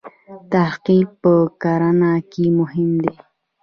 تحقیق په کرنه کې مهم دی.